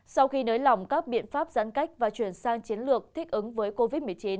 sau khi nới lỏng các biện pháp giãn cách và chuyển sang chiến lược thích ứng với covid một mươi chín